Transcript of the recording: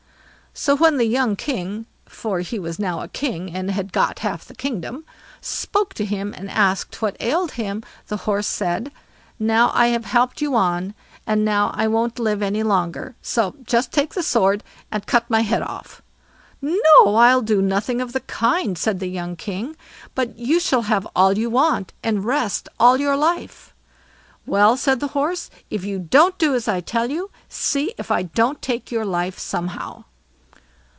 So when the young king—for he was now a king, and had got half the kingdom—spoke to him, and asked what ailed him, the Horse said: "Now I have helped you on, and now I won't live any longer. So just take the sword, and cut my head off." "No, I'll do nothing of the kind", said the young king; "but you shall have all you want, and rest all your life." "Well", said the Horse, "If you don't do as I tell you, see if I don't take your life somehow."